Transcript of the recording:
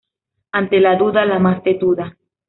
Ante la duda, la más tetuda